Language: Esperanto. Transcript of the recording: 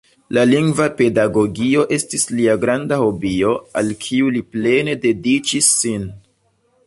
La lingva pedagogio estis lia granda hobio, al kiu li plene dediĉis sin.